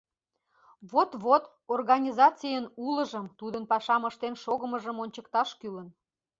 — Вот, вот, организацийын улыжым, тудын пашам ыштен шогымыжым ончыкташ кӱлын.